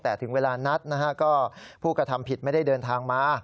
แต่ถึงเวลานัดนะฮะก็ผู้กระทำผิดไม่ได้เดินทางมา